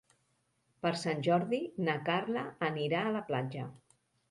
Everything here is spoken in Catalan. Per Sant Jordi na Carla anirà a la platja.